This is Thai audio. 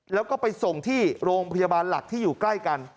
แล้วก็ไปส่งที่โรงพยาบาลหลักที่อยู่ใกล้กัน